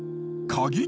鍵？